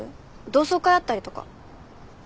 同窓会あったりとか。